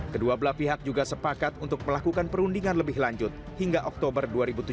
kedua belah pihak juga sepakat untuk melakukan perundingan lebih lanjut hingga oktober dua ribu tujuh belas